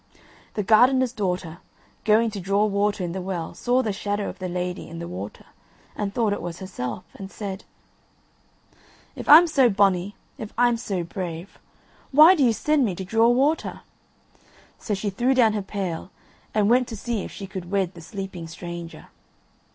The gardener's daughter, going to draw water in the well, saw the shadow of the lady in the water and thought it was herself, and said; "If I'm so bonny, if I'm so brave, why do you send me to draw water?" So she threw down her pail and went to see if she could wed the sleeping stranger.